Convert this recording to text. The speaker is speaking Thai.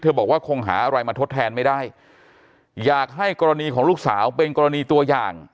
บอกว่าคงหาอะไรมาทดแทนไม่ได้อยากให้กรณีของลูกสาวเป็นกรณีตัวอย่าง